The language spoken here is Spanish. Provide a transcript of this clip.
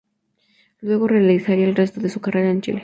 Luego, realizaría el resto de su carrera en Chile.